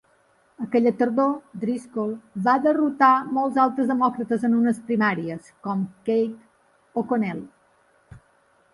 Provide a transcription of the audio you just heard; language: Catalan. Aquella tardor, Driscoll va derrotar molts altres demòcrates en unes primàries, com Kate O'Connell.